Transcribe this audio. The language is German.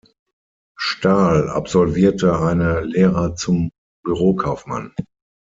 Stahl absolvierte eine Lehre zum Bürokaufmann.